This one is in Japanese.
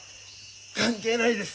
関係ないです。